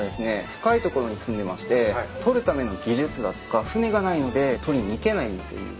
深い所にすんでまして捕るための技術だとか船がないので捕りに行けないという。